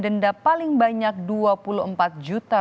denda paling banyak dua puluh empat juta